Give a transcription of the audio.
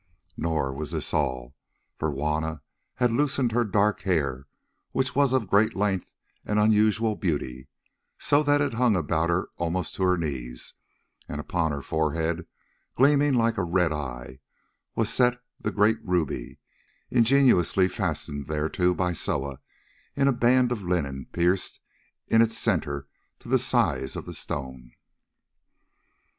Nor was this all; for Juanna had loosened her dark hair—which was of great length and unusual beauty—so that it hung about her almost to her knees, and upon her forehead, gleaming like a red eye, was set the great ruby, ingeniously fastened thereto by Soa in a band of linen pierced in its centre to the size of the stone.